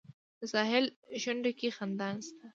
د ساحل شونډو کې خندا نشته